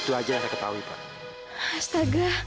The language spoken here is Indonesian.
mari saya bantu